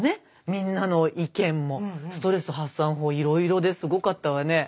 みんなの意見もストレス発散法いろいろですごかったわね。